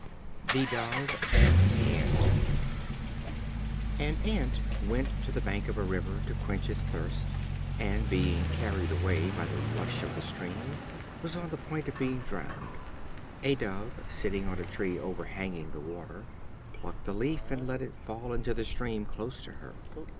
The Dove and the Ant. An Ant went to the bank of a river to quench its thirst, and, being carried away by the rush of the stream, was on the point of being drowned. A Dove, sitting on a tree overhanging the water, plucked a leaf, and let it fall into the stream close to her.